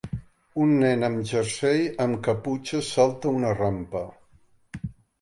Un nen amb jersei amb caputxa salta una rampa.